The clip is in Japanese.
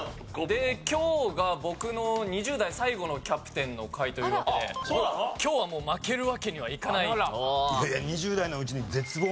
今日が僕の２０代最後のキャプテンの回という事で今日はもう負けるわけにはいかないと。